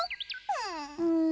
うん。